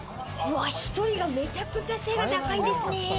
１人がめちゃくちゃ背が高いですね。